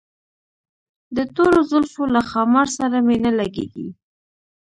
د تورو زلفو له ښامار سره مي نه لګیږي